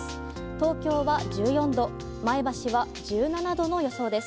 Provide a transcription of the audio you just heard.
東京は１４度前橋は１７度の予想です。